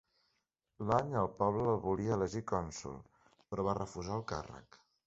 L'any el poble el volia elegir cònsol, però va refusar el càrrec.